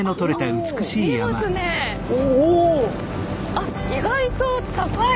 あっ意外と高い。